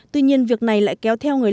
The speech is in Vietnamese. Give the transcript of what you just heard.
tuy nhiên việc này lại kéo theo người